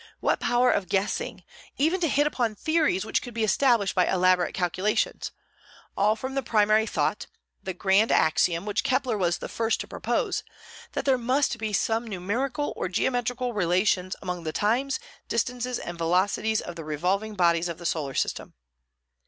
What power of guessing, even to hit upon theories which could be established by elaborate calculations, all from the primary thought, the grand axiom, which Kepler was the first to propose, that there must be some numerical or geometrical relations among the times, distances, and velocities of the revolving bodies of the solar system!